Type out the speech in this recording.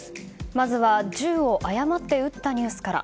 まずは、銃を誤って撃ったニュースから。